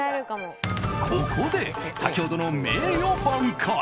ここで先ほどの名誉挽回。